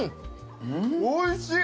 おいしい！